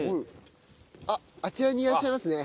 あっあちらにいらっしゃいますね。